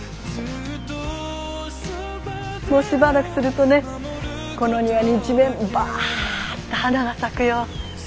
もうしばらくするとねこの庭に一面バッと花が咲くよ。